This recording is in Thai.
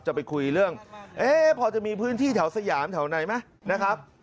จะไปคุยเรื่องเอ๊ะพอจะมีพื้นที่แถวสยามแถวไหนไหมนะครับ